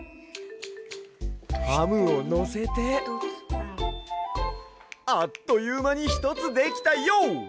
ハムをのせてあっというまにひとつできたＹＯ！